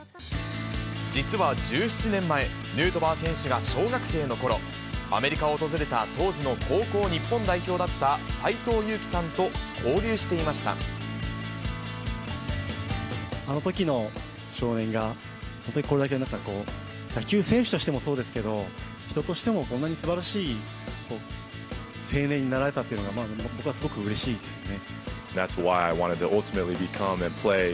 実は１７年前、ヌートバー選手が小学生のころ、アメリカを訪れた当時の高校日本代表だった斎藤佑樹さんと交流しあのときの少年がこれだけなんかこう、野球選手としてもそうですけど、人としても、こんなにすばらしい青年になられたっていうのが僕はすごくうれしいですね。